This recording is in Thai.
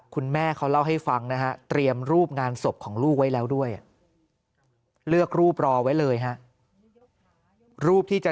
คุณแม่เขาเล่าให้ฟังนะฮะเตรียมรูปงานศพของลูกไว้แล้วด้วยเลือกรูปรอไว้เลยฮะรูปที่จะ